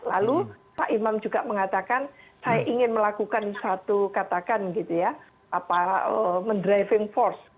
lalu pak imam juga mengatakan saya ingin melakukan satu katakan gitu ya mendriving force